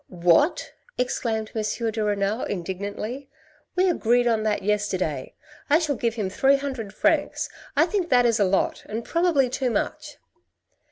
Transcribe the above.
" What !" exclaimed M. de Renal, indignantly, " we agreed on that yesterday. I shall give him three hundred francs, I think that is a lot, and probably too much."